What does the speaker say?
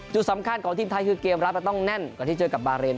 จุดสำคัญของทีมไทยคือเกมรับจะต้องแน่นกว่าที่เจอกับบาเรน